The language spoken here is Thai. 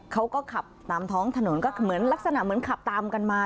เขาก็ขับตามท้องถนนก็เหมือนลักษณะเหมือนขับตามกันมา